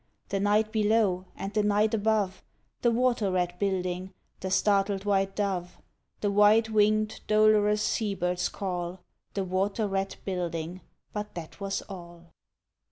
.. The night below and the night above; The water rat building, the startled white dove, The wide winged, dolorous sea bird’s call The water rat building, but that was all.